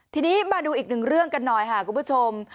ทีนี้มาดูอีกหนึ่งเรื่องกันหน่อยค่ะคุณผู้ชม